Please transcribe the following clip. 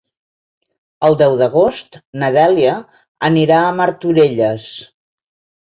El deu d'agost na Dèlia anirà a Martorelles.